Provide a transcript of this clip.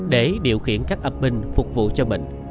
để điều khiển các âm binh phục vụ cho mình